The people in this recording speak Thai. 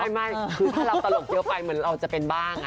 ไม่คือถ้าเราตลกเยอะไปเหมือนเราจะเป็นบ้าง